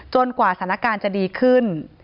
กว่าสถานการณ์จะดีขึ้น